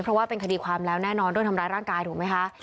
เพราะว่าเป็นคดีความแล้วแน่นอนด้วยทำร้ายร่างกายถูกไหมคะ